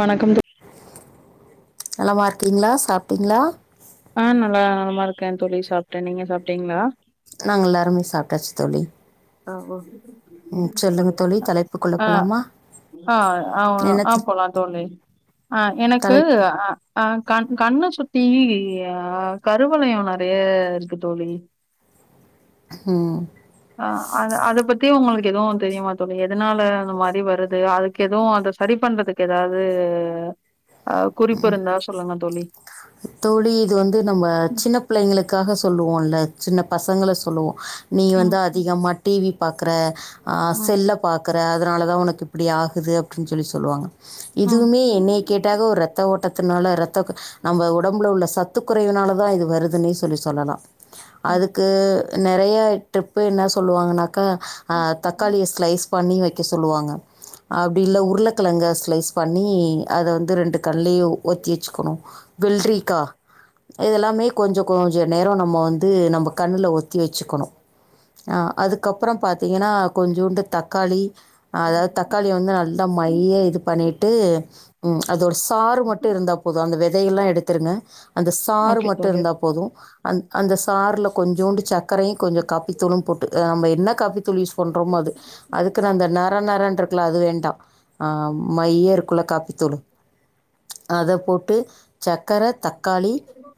வணக்கம் தோ நலமா இருக்கிங்ளா சாப்ட்டிங்ளா ஆ நலா நலமா இருக்கே தோழி சாப்டே நீங்க சாப்ட்டிங்ளா நாங்க எல்லாருமே சாப்ட்டாச்சு தோழி ஆ ஓகே ம் சொல்லுங்க தோழி தலைப்புக்குள்ள ஆ போலாமா ஆ ஆ ஆ போலா தோழி ஆ எனக்கு தலைப்பு அ ஆ கண் கண்ண சுத்தி ஆ கருவளைய நறைய இருக்கு தோழி ம் ஆ அத அத பத்தி உங்ளுக் எது தெரியுமா தோழி எதனால அந்த மாரி வருது அதுக் எது அத சரி பண்றதுக்கு எதாது குறிப்பிருந்தா சொல்லுங்க தோழி தோழி இது வந்து நம்ம சின்ன பிள்ளைங்ளுக்காக சொல்லுவோல்ல சின்ன பசங்கள சொல்லுவோ நீ ம் வந்து அதிகமா டி வி பாக்ற ஆ ம் செல்ல பாக் கற அதனால தா உனக்கு இப்பிடி ஆகுது அப்டின் சொல்லி சொல்லுவாங்க ம் இதுவுமே என்னய கேட்டாக்க ஒரு ரத் த ஓட்டத்தினால ரத்த நம்ம ஒடம்புல உள்ள சத்து கொறைவுனாலதா இது வருதுனே சொல்லி சொல்லலா ம் அதுக்கு நறைய ட்ரிப்பு என்ன சொல்லுவாங்கனா க்கா ஆ ம் தக்காளிய ஸ்லைஸ் பண்ணி வக்க சொல்லுவாங்க அப்டி இல்ல உருளக்கெழங்க ஸ்லைஸ் பண்ணி அத வந்து ரெண்டு கண்லயு ஒத்தி வச்சுக்ணு விள்ரிக்கா இதெல்லாமே கொஞ்சோ கொஞ்சோ நேரோ நம்மோ வந்து நம்மோ கண்ணுல ஒத்தி வெச்சுக்கணு அ அதுக்கப்றோ பாத்திங்கனா கொஞ்சோண்டு தக்காளி ஆ அதாது தக்காளி வந்து நல்லா மைய இது பண்ணிட்டு ம் அதொரு சாறு மட்டு இருந்தா போது அந்த வெதையெல்லா எடுத்துருங்க அந்த சாறு ஓகே மட்டு தோழி இருந்தா போது அந் அந்த சார்ல கொஞ்சோண்டு சக்கரையு கொஞ்சோ காபித்தூளு போட்டு நம்ம என்ன காபி தூள் யூஸ் பண்றமோ அது அதுக்கு ந அந்த நரன் நரன் இருக்ல அது வேண்டா ஆ மைய இருக்குல காபித்தூளு அத போட்டு சக்கர தக்காளி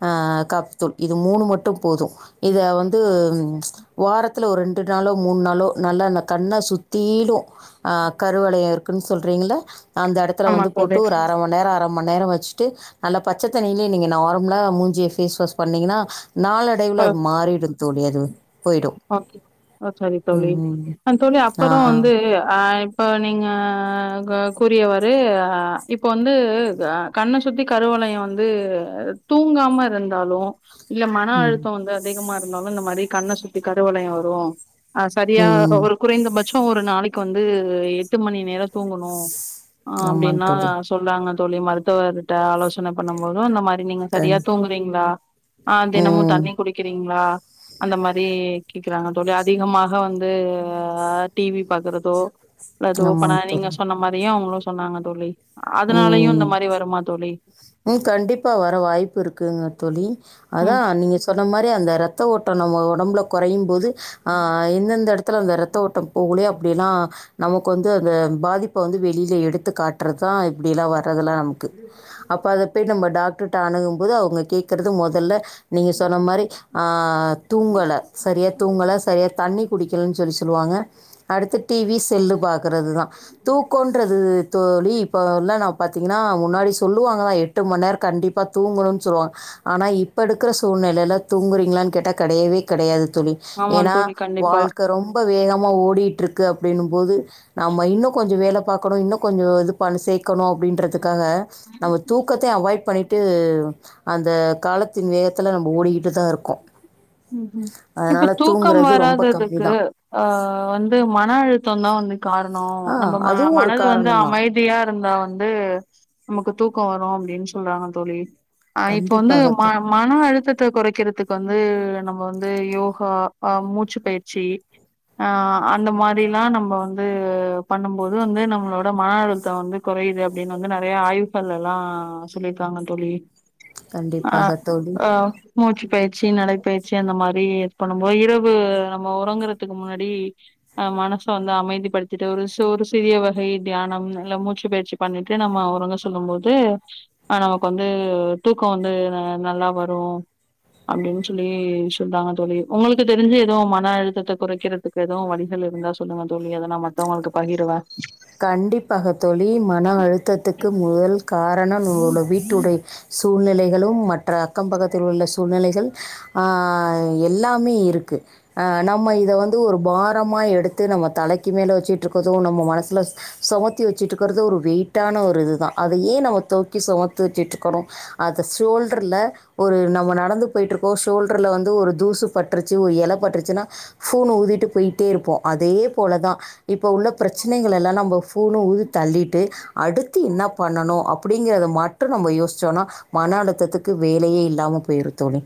ஆ காபி தூள் இது மூணு மட்டு போது இத வந்து வாரத்துல ஒரு ரெண்டு நாளோ மூணு நாளோ நல்லா அந்த கண்ண சுத்தீலு ஆ கருவளைய இருக்குன் சொல்றிங்கள அந்த எடத்துல ஆமா வந்து போட்டு தோழி ஒரு அர மணி நேரோ அர மண் நேரோ வெச்சுட்டு நல்லா பச்சத்தண்ணிலயே நீங்க நார்மலா மூஞ்சிய ஃபேஸ் வாஷ் பண்ணீங்கனா நாலடைவுல அது மாறிடு தோழி அது போயிடு ஓகே. ஓ சரி தோழி அ தோழி ஆ அப்புறோ வந்து அ இப்ப நீங்க கூறியவாரு இப்போ வந்து கண்ண சுத்தி கரு வளையோ வந்து தூங்காம இருந்தாலு இல்ல மன ம் அழுத்தோ வந்து அதிகமா இருந்தாலு இந்த மாரி கண்ண சுத்தி கருவளையோ வரு அ சரியா ம் ஒரு குறைந்தபட்சோ ஒரு நாளைக்கு வந்து எட்டு மணி நேரோ தூங்கணு ஆ ஆமாம் அப்டினா தோழி சொல்றாங்க தோழி மருத்துவர்ட்ட ஆலோசன பண்ணும்போது அந்த மாரி நீங்க சரியா கண் தூங்குறீங்ளா ஆ தினமு ம் தண்ணி குடிக்கறீங்ளா அந்த மாரி கேக்கறாங்க தோழி அதிகமாக வந்து டி வி பாக்கறதோ இல்ல எதுவு ஓபனா ஆமாங்க நீங்க சொன்ன மாரியு அவுங்களு சொன்னாங்க தோழி அதனாலயு இந்த மாரி வருமா தோழி ஓ கண்டிப்பா வர வாய்ப்பு இருக்குங்க தோழி அதா ம் நீங்க சொன்ன மாரி அந்த ரத்த ஓட்டோ நம்ம ஒடம்புல கொறையும்போது ஆ எந்தெந்த எடத்துல அந்த ரத்த ஓட்டம் போகலயோ அப்டில்லா நமக்கு வந்து அந்த பாதிப்ப வந்து வெளில எடுத்து காட்டறதா இப்டியெல்லா வ அதெல்லா நமக்கு அப்ப அத போய் நம்ம டா க்டர்ட்ட அணுகும்போது அவுங்க கேக்கிறது மொதல்ல நீங்க சொன்ன மாரி தூங்கல ச சரியா தூங்கல சரியா தண்ணி குடிக்கலன்னு சொல்லி சொல்லுவாங்க அடுத்து டி வி செல்லு பாக்கறதுதா தூக்கோன்றது தோழி இப்ப எல்லா நா பாத்தீங்கன்னா முன்னாடி சொல்லுவாங்க நா எட்டு மண் நேரோ கண்டிப்பா தூங்கணுனு சொல்லுவாங்க ஆனா இ இப்ப எடுக்கிற சூழ்நிலைலா தூங்குறீங்களான்னு கேட்டா கெடையவே கெடையாது தோழி ஆமா ஏனா தோழி கண்டிப்பா வாழ்க்கை ரொம்ப வேகமா ஓடிட்டு இரு க்கு அப்டின்னும்போது நம்ம இன்னோ கொஞ்சோ வேல பாக்கணோ இன்னோ கொஞ்சோ இது ப சேக் க்கணோ அப்டின்றதுக்காக நம்ம தூக்கத்தை அவாய்ட் பண்ணி ட்டு அந்த காலத்தின் வேகத்துல நம்ம ஓடிகிட்டுதா இருக்கோ ம் ம் இப்ப தூக்கம் ரொம்ப கம்மி வராததுக்கு தான் ஆ வந்து மன அழுத்தோந்தா வந்து காரணோ ஆ நம்ம அதுவும் ஒரு மனல் வந்து காரணம் தான் அமைதியா இருந்தா வந்து நமக்கு தூக்கோ வரு அப்டின்னு சொல்றாங்க தோழி அ இப்ப வந்து கண்டிப்பாக ம தோழி. மன அழுத்தத்த கொறைக்கிறதுக்கு வந்து நம்ம வந்து யோகா ஆ மூச்சு பயிற்சி ஆ அந்த மாரியெல்லா நம்ம வந்து பண்ணும்போது வந்து நம்மளோட மன அழுத்தோ வந்து கொ றையுது அப்டின்னு வந்து நெறய ஆய்வுகள் எல்லா சொல்லிருக்காங்க தோழி ஆ கண்டிப்பாக தோழி. ஆ மூச்சு பயிற்சி நடைப்பயி மாரி இது பண்ணும்போ இரவு நம்ம உறங்கறதுக்கு முன்னாடி மனச வந்து அமைதிப்படுத்தி ட்டு ஒரு ஒரு சிறிய வகை தியானம் இல்ல மூச்சு பயிற்சி பண்ணிட்டு நம்ம உறங்க செல்லும்போது அ நமக்கு வந்து தூக்கோ வந்து நல்லா வரு அப்படின்னு சொல்லி சொல்றாங்க தோழி உங்களுக்கு தெரிஞ்சு எதுவு மன அழுத்தத்த குறைக்கிறதுக்கு எதுவு வழிகள் இருந்தா சொல்லுங்க தோழி அத நா மத்தவங்களுக்கு பகிருவ கண்டிப்பாக தோழி மன அழுத்தத்துக்கு முதல் காரணோ நம்மளோட வீட்டுடை சூழ்நிலைகளும் மற்ற அக்கம் பக்கத்தில் உள்ள சூழ்நிலைகள் ஆ எல்லாமே இருக்கு அ நம்ம இத வந்து ஒரு பாரமா எடுத்து நம்ம தலைக்கு மேல வெச்சுட்டு இருக்கிறதோ நம்ம மனசு ல சுமத்தி வெச்சிட்டு இருக்கிறது ஒரு வெயிட்டான ஒரு இதுதா அதயே நம்ம துவக்கி சுமத்து வெச்சுட்டுருக்கோ அது ஷோல்டர்ல ஒரு நம்ம நடந்து போயிட்டு இருக்கோ ஷோல்டர்ல வந்து ஒரு தூசு பட்டுருச்சு ஒரு எல பட்டுருச்சுனா ஃபூனு ஊதிட்டு போயிட்டே இருப்போ அதே போலதா இப்ப உள்ள பிரச் சனைகள எல்லா நம்ம ஃபூனு ஊதி தள்ளிட்டு அடுத்து என்னா பண்ணணு அப்டிங்கிறது மட்டு நம்ம யோ சிச்சோனா மன அழுத்ததுக்கு வேலையே இல்லாம போயிரு தோழி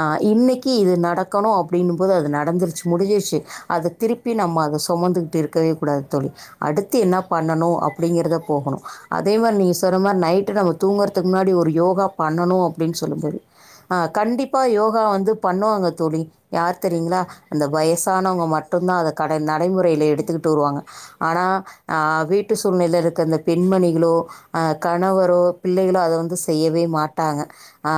அ இன்றைக்கு இது நடக்கணு அப்டின்னும்போது அது நடந்துருச்சு முடிஞ்சிருச்சு அத திருப்பி நம்ம அத சுமந்துகிட்டு இருக்கவே கூடாது தோழி அடுத்து என்ன பண்ணணு அப்டிங்கறத போகணு அதே மாரி நீங்க சொன்ன மாரி நைட்டு நம்ம தூங்குறதுக்கு முன்னாடி ஒரு யோகா பண்ணணு அப்டின்னு சொல்லும் போது ஆ கண்டிப்பா யோகா வந்து பண்ணுவாங்க தோழி யார் தெரியுங்களா அந்த வயசானவங்க மட் டுந்தா அத கட நடைமுறையில எடுத்துக்கிட்டு வருவாங்க ஆனா ஆ வீட்டு சூழ்நில இருக்க அந்த பெண்மணிகளோ அ கணவரோ பிள்ளை களு அத வந்து செய்யவே மாட்டாங்க ஆ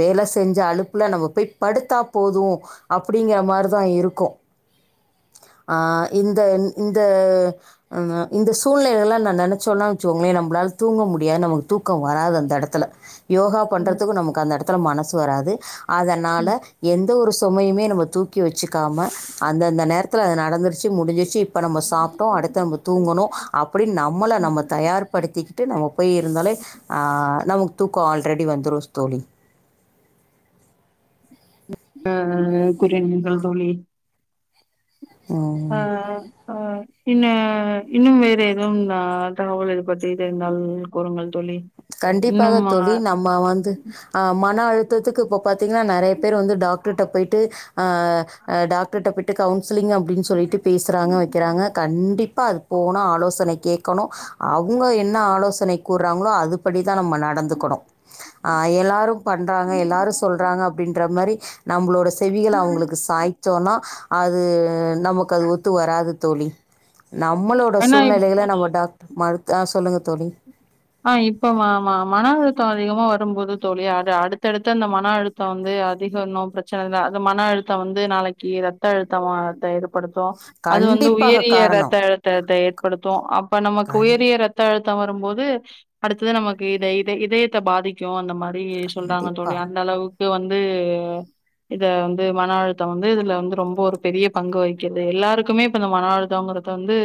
வேல செஞ்ச அலுப்புல நம்ம போய் படுத்தா போது அப்டிங்கிற மாரிதா இருக்கு ஆ இந்த இந் இந்த அ இந்த சூழ்நிலைகள்ல்லா நா நெனைச்சோல்லா வச்சோங்களே நம்புளால தூங்க முடியாது நமக்கு தூக்கோ வராது அந்த எடத்துல யோகா ம் பண்ணுறதுக்கு நமக்கு அந்த எடத்துல மனசு வராது ம் அதனால எந்த ஒரு சுமையுமே நம்ம தூக்கி வச்சுக்காம அந்தந்த நேரத்தில அது நடந்துருச்சு முடிஞ்சிருச்சு இப்ப நம்ம சாப்பிட்டோ அடுத்த நம்ம தூங்கணு அப்டினு நம்மள நம்ம ம் தயார்படுத்தி ட்டு நம்ம போய் இருந்தாலே அ நமக்கு தூக்கோ ஆல்ரெடி வந்துரு தோழி ஆஹ் கூறினீர்கள் தோழி ஆ ம். ஆ இன்ன இன்னும் வேற எதுவும் நா தகவல் இது பத்தி தெரிந்தால் கூறுங்கள் தோழி கண்டிப்பாக இன்னும் ஆ தோழி நம்ம வந்து அ ம ன அழுத்தத்துக்கு இப்ப பாத்தீங்கன்னா நெறைய பேர் வந்து டாக்டர்கிட்ட போயிட்டு ஆ அ டாக்டர்ட்ட போய்ட்டு கவுன்சிலிங் அப்டின்னு சொல்லிட்டு பேசுறாங்க வெக்கிறாங்க கண்டிப்பா அது போனா ஆலோசனை கேட்கணு அவ்ங்க என்ன ஆலோசனை கூறாங்களோ அதுக் தா நம்ம நடந்துக்கணு ஆ எல்லாரு பண்றாங்க எல்லாரு சொல்றாங்க அப்டின்ற மாரி நம்மளோட செவிகள அவங்களுக்கு சாய்சோனா அது நமக்கு அது ஒத்து வராது தோழி நம்மளோட ஆனா சூழ்நிலைலில நம்ம டாக் மறுத்த அ சொல்லுங்க தோழி ஆ இப்ப மா மா மன அழுத்தோ அதிகமா வரும்போது தோழி அது அடுத்தடுத்த அந்த மன அழுத்தோ வந்து ஏ அதிக இன்னு பிரச்சன தா அது மன அழுத்தம் வந்து நாளைக்கி ரத்த அழுத்தமா த இது படுத்து அது வந்து கண்டிப்பாக உயரிய ரத்த காரணம். அழுத்தத்தை ஏற்படுத்து அப்ப நமக்கு உயரிய கண்டி ரத்த அழுத் தம் வரும்போது அடுத்தது நமக்கு இத இத இதயத்தை பாதிக்கு அந்த மாரி அப்டி சொல்றாங்க கண்டிப்பா. தோழி அந்த அளவுக்கு வந்து இத வந்து மன அழுத்தம் வந்து இதுல வந்து ரொம்ப ஒரு பெரிய பங்கு வகிக்கிது எல்லாருக்குமே இப்ப இந்த மன அழுத்தங்க த்த வந்து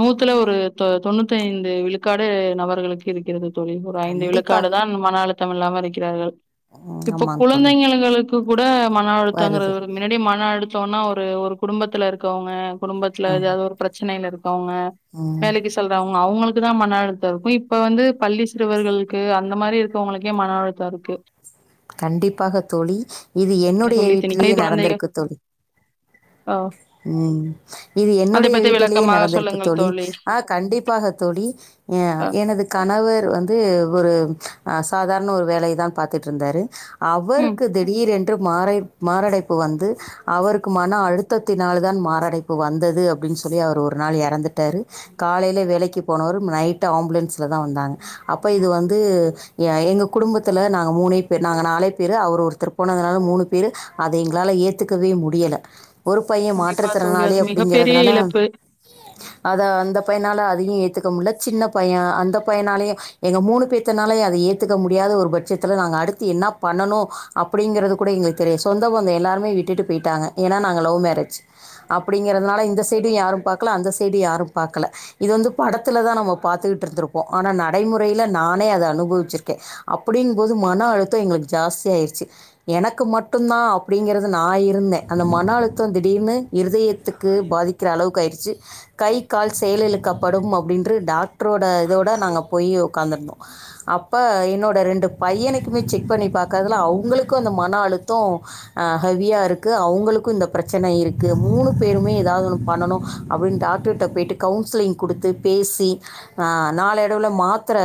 நூத்துல ஒரு தொ தொணூத்தி ஐந்து விழுக்காடு நம பர்களுக்கு இருக்கிறது தோழி ஒரு ஐந்து கண்டிப்பாக. விழுக்காடு தான் மனழுத்தம் இல்லாம இருக்கிறார்கள் ம் இப்ப ஆமாங் தோழி. குழந்தைங்கங்களுக்கு கூட மன அழுத்தாங்கிறது வருது. ஒரு மின்னாடி மன அழு சொன்னா ஒரு ஒரு குடும்பத்துல இருக்கவங்க குடும்பத்துல ம். ஏதாவது ஒரு பிரச்சனைல இருக் கவ்ங்க ம். வேலைக்கி செல்றவங்க அவுங்களுக்கு தா மன அழுத்தோ இருக்கு இ ப்ப வந்து பள்ளி சிறுவர்களுக்கு அந்த மாரி இருக்கவங்களுக்கே மன அழுத்தோ இருக்கு கண்டிப்பாக தோழி இது என்னுடைய சொல்லி திணிக்க வீட்டிலேயே குழந்தைக நடந்திருக்கு தோழி அ ம் இது அத என்னுடைய பத்தி வீட்டிலேயே விளக்கமா நடந்திருக்கு சொல்லுங்கள் தோழி ஆ கண்டிப்பாக தோழி ஆ அ எனது கணவர் வந்து ஒரு அ சாதாரண ஒரு வேலையதான் பாத்துட்டு இருந்தாரு ம். அவருக்கு திடீரென்று மாரை மாரடைப்பு வந்து அவருக்கு மன அழுத்த னாலுதான் மாரடைப்பு வந்தது அப்டின்னு சொல்லி அவர் ஒரு நாள் எறந்துட்டரு காலையில வேலைக்கு போனவரு நைட் ஆம்புலன்ஸ்ல தா வந்தாங்க அப்ப இது வந்து எ எங்க குடும்பத்தில நாங்க மூணே பேர் நாங்க நாலே பேர் அவர் ஒருத்தரு போனதுனால மூணு பேர் அதை எங்களாலை ஏத்துக்கவே முடியல ஒரு பைய கண்டிப்பா தோழி மாற்றத்திறனாளி அது மிகப்பெரிய அப்டிங்கிறதுனால இழப்பு அத அந்த பையனால அதையு ஏத்துக்க முடியல சின்ன பைய அந்த பையனாலயையு எங்க மூணு பேத்தனாலே அத ஏத்துக்க முடியாத ஒரு பட்சத்தில நாங்க அடுத்து என்னாப் பண்ணனு அப்டிங்கறது கூட எங்களுக்கு தெரிய சொந்தோ பந்தோ எல்லாரு மே விட்டுட்டு போயிட்டாங்க ஏன்னா நா ங்க லவ் மேரேஜ் அப்டிங்கறதுனால இந்த சைடு யாரும் பாக்கல அந்த சைடு யாரும் பாக்கல இது வந்து பாட டத்துல தா நம்ம பாத்துகுட்டு இருந்திருப்போ ஆனா நடைமுறையில நானே அத அனுபவிச்சிருக்கே அப்டின் போது மா ன அழுத்த எங்களுக்கு ஜாஸ்தி ஆயிருச்சு எனக்கு மட்டுந்தா அப்டிங்கிறது நா இருந்தே அந்த மன அழு த திடீர்னு இருதயத்துக்கு பாதிக்கிற அளவுக்கு ஆயிருச்சு கை கால் செயல் இழக்கப்படும் அ அப்டின்ரு டாக்டரோட இதோட நாங்க போய் உட்காந்துருந்தோ அப் ப்ப என்னோட ரெண்டு பையனுக்குமே செக் பண்ணி பாக்கர்துல அவுங்களுக்கு அந்த மன அழுத்தோ அ ஹ ஹெவியா இருக்கு அவுங்களுக்கு இந்த பிரச்சன இருக்கு மூணு பேருமே ஏதாவது ஒன்னு பண்ணனு அப்டின் டாக்டர் ட போய்ட்டு கவுன்சிலி்ங் கொடுத்து பே ஈசி அ நாளடைவுல மாத்தர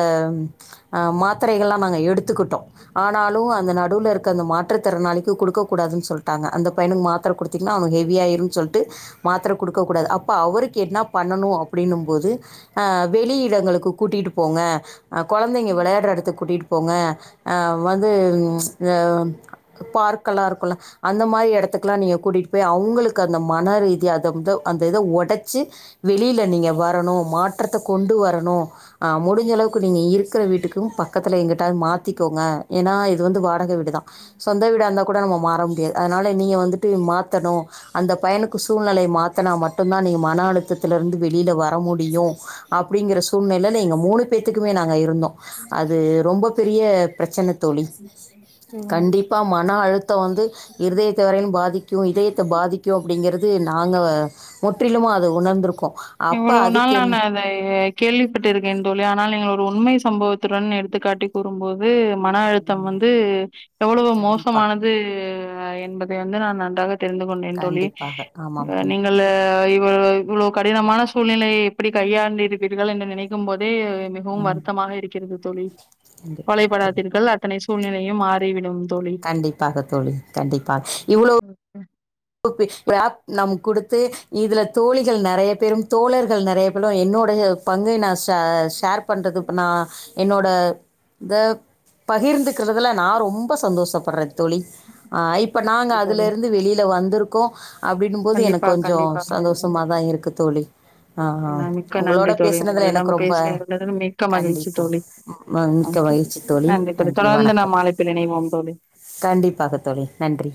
அ மாத்தரைகள் லா நாங்க எடுத்துக்கிட்டோ ஆனாலுமஅந்த நடுவுல இருக்க அந்த மாற்றுத்திறனாளிக்கு குடுக்க கூடாதுன்னு சொல்ட்டாங்க அந்த பையனுக்கு மாத்தர கொடுத் த்தீங்கனா அவனுக்கு ஹெவிஆயுருன்னு சொல்ட்டு மாத்தர குடுக்கக் கூடாது அப்ப அவருக்கு என்ன பண்ணனு அப்டின்னு போது அ வெளி இடங்களுக்கு கூட்டிட்டு போங்க அ கொழந்தங்க விளையாடுற இடத்துக்கு கூட்டிட்டு போங்க அ வந்து ச் இந்த பார்க் எல்லா இருக்குல அந்த மாரி எடத்துக்குலா எல்லா நீங்க கூட்டிட் ப்பே அவுங்களுக்கு அந்த மன ரீ தியா அத ந்து அந்த இத உடச்சு வெளில நீங்க வரணு மாற்றத்த கொண்டு வரணு ஆ முடுஞ்ச அளவுக்கு நீங்க இருக்கிற வீட்டுக் து பக்கத்துல எங்கிட்டாது மாத்திக்கோங்க ஏனா இது வந்து வாடகை வீடு தா சொந்த வீடா இருந்தா கூட நம்ம மாற முடியாது அதனால நீங்க வந்துட்டு மாத் த்தணு அந்த பயனுக்கு சூழ்நிலைய மாத்துனா மட்டுந்தா நீ மன அழுத்தத்துல இருந்து வெளில வர முடியு அப்டிங்கிற சூழ்நிலல எங்க மூணு பேத்துக்குமே நாங்க இருந்தோ அது ரொம்ப பெ பெரிய பிரச்சன தோழி ம் கண்டிப்பா மன அழுத்த வந்து இருதயத்த வரயுலு பாதிக் க்யு இதயத்த பாதிக்கு அப்டிங்கறது நாங்க முற்றிலுமா அத உணர்ந்துருக்கோ இவ்ளோ நாள் நானு அதைய கேள்விப்பட்டு இருக்கே தோழி ஆனால் நீங்க ஒ ரு உண்மை சம்பவத்துடன் எடுத்துக்காட்டி கூறும்போது மன அழுத்தம் வந்து எவ்வளவு கண்டிப்பாக மோசமானது என்பதை வந்து நான் நன்றாக தெரிந்து கொண்டேன் தோழி கண்டிப்பாக ஆமாம் அ தோழி நீங்கள் இவ்ள இவளோ க டினமான சூழ்நிலையை எப்டி கையாண்டிருப்பீர்கள் என்று நினைக்கும் போதே மிகவும் வருத்தமாக இருக்கிறது தோழி கண்டிப்பாக பழைய தோழி படாதீர்கள் அத்தனை சூழ்நிலையும் மாறிவிடும் தோழி கண்டிப்பாக தோழி கண்டிப்பா இவ்ளோ பி ஆப் நம் குடுத்து இதுல தோழிகள் நெறய பேரும் தோழர்கள் நெறய பேரும் என்னோ னோடைய பங்கை நா ஷே ஷேர் பண்றது இப்ப நா என்னோட இந்த பகிர்ந்துக்கிறதுல நா ரொம்ப சந்தோஷப்படுறே தோழி ஆ இப் இப்ப நாங்க அதுல தோழி இருந்து வெளில வந்திருக்கோ அப்டினும்போது எனக் கண்டிப்பா கொஞ்ச கண்டிப்பாக தோழி சந்தோஷமா தா இருக்கு தோழி அ அ ஆ மிக்க நன்றி ஒங்களோட தோழி பேசுனதுல உங்களிடம் எனக்கு ரொம்ப பேசியதில் மிக்க மகிழ்ச்சி கண்டிப்பா தோழி. அ ம மிக்க ஓகே மகிழ்ச்சி தோழி நன்றி தொடர்ந்து வணக்கம் நாம் அழைப்பில் இணைவோம் தோழி. கண்டிப்பாக தோழி நன்றி